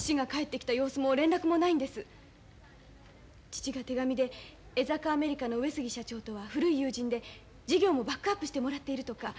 父が手紙で江坂アメリカの上杉社長とは古い友人で事業もバックアップしてもらっているとか。